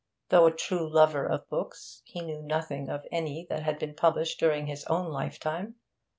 Though a true lover of books, he knew nothing of any that had been published during his own lifetime.